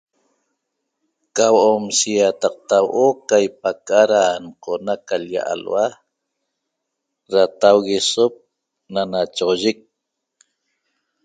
Ca huo'omshi ýataqta huo'o ca ipaca'a da nqo'ona ca l-lla alhua dataueguesop da nachoxoyic